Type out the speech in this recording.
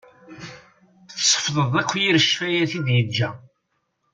Tessefḍeḍ akk yir ccfayat i d-yeǧǧa.